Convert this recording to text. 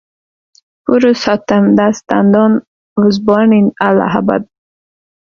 Purushottam Das Tandon was born in Allahabad.